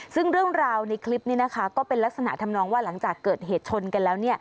ซึ่งเรื่องราวในคลิปนี้นะคะก็เป็นลักษณะทำนองว่าหลังจากเกิดเหตุชนกันแล้ว